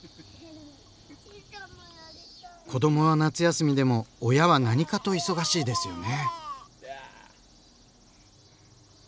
子どもは夏休みでも親は何かと忙しいですよね。